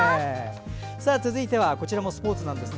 続いてはこちらもスポーツです。